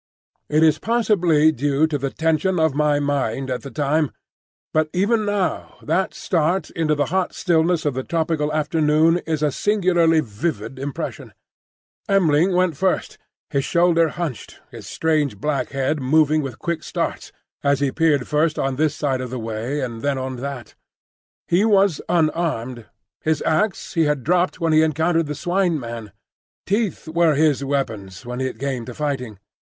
It is possibly due to the tension of my mind, at the time, but even now that start into the hot stillness of the tropical afternoon is a singularly vivid impression. M'ling went first, his shoulder hunched, his strange black head moving with quick starts as he peered first on this side of the way and then on that. He was unarmed; his axe he had dropped when he encountered the Swine man. Teeth were his weapons, when it came to fighting.